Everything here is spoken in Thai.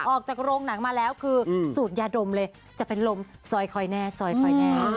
ออกจากโรงหนังมาแล้วคือสูดยาดมเลยจะเป็นลมซอยคอยแน่ซอยคอยแน่